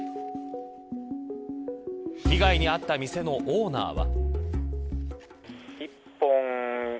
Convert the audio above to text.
被害に遭った店のオーナーは。